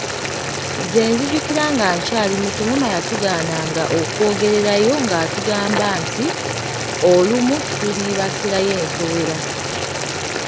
Nze nzijukira nga nkyali muto maama yatugaananga okwogererayo nga atugamba nti olumu tulibakirayo enswera.